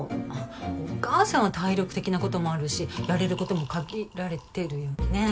お義母さんは体力的な事もあるしやれる事も限られてるよね。